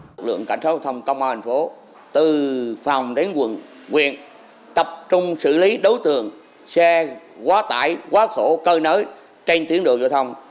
lực lượng cảnh sát giao thông công an thành phố từ phòng đến quận quyện tập trung xử lý đối tượng xe quá tải quá khổ cơi nới trên tuyến đường giao thông